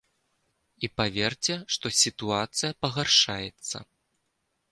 І паверце, што сітуацыя пагаршаецца.